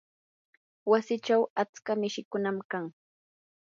wasichaw atska mishikunam kan.